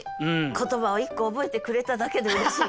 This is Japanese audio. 言葉を１個覚えてくれただけでうれしい。